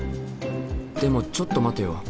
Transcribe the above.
でもちょっと待てよ。